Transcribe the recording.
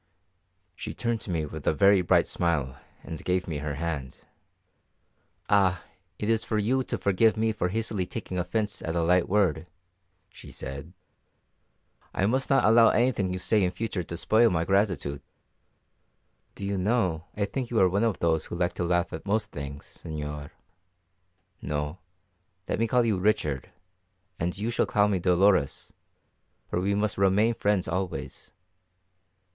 She turned to me with a very bright smile and gave me her hand. "Ah, it is for you to forgive me for hastily taking offence at a light word," she said. "I must not allow anything you say in future to spoil my gratitude. Do you know I think you are one of those who like to laugh at most things, señor no, let me call you Richard, and you shall call me Dolores, for we must remain friends always.